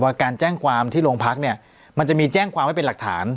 การแจ้งความที่โรงพักเนี่ยมันจะมีแจ้งความไว้เป็นหลักฐาน